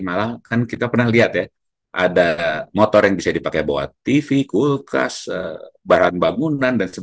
malah kan kita pernah lihat ya ada motor yang bisa dipakai bawa tv kulkas bahan bangunan